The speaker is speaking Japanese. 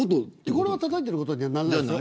これは、たたいてることにはならないです。